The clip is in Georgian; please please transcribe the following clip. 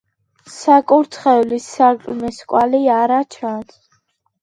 საკურთხევლის სარკმლის კვალი არა ჩანს.